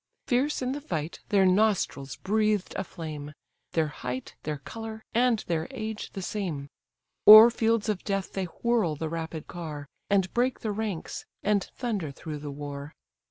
Fierce in the fight their nostrils breathed a flame, Their height, their colour, and their age the same; O'er fields of death they whirl the rapid car, And break the ranks, and thunder through the war.